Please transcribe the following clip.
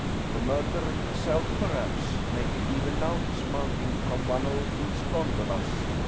The murderer himself, perhaps, may be even now dismounting from one of these gondolas.